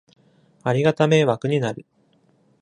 ありがた迷惑になる